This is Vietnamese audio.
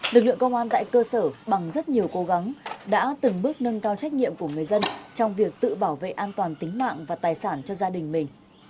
lực lượng công an tại cơ sở bằng rất nhiều cố gắng đã từng bước nâng cao trách nhiệm của người dân trong việc tự bảo vệ an toàn tính mạng và tài sản cho gia đình mình